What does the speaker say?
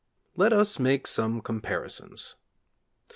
Let us make some comparisons.